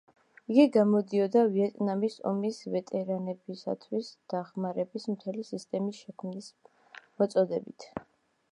იგი გამოდიოდა ვიეტნამის ომის ვეტერანებისათვის დახმარების მთელი სისტემის შექმნის მოწოდებით.